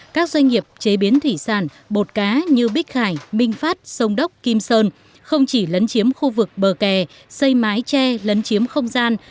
các doanh nghiệp chế biến thủy sản bột cá như bích khải minh phát sông đốc kim sơn không chỉ lấn chiếm khu vực bờ kè xây mái tre lấn chiếm không gian